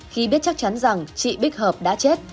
khi biết chắc chắn rằng chị bích hợp đã chết